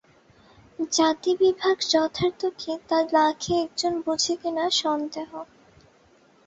জাতিবিভাগ যথার্থ কি, তা লাখে একজন বোঝে কিনা সন্দেহ।